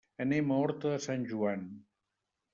Anem a Horta de Sant Joan.